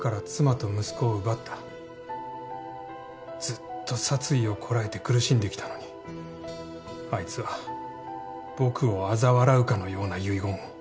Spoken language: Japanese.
ずっと殺意をこらえて苦しんできたのにあいつは僕をあざ笑うかのような遺言を。